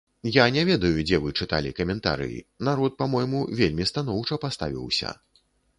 Я не ведаю, дзе вы чыталі каментарыі, народ па-мойму вельмі станоўча паставіўся.